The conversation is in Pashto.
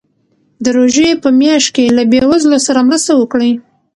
د روژې په میاشت کې له بېوزلو سره مرسته وکړئ.